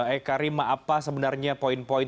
eh karima apa sebenarnya poin poin